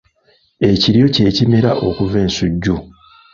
Ekiryo kye kimera okuva ensujju.